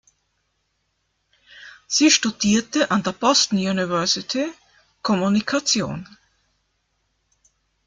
Sie studierte an der Boston University Kommunikation.